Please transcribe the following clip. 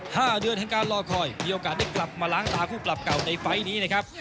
ห้าเดือนแห่งการรอคอยมีโอกาสได้กลับมาล้างตาคู่ปรับเก่าในไฟล์นี้นะครับ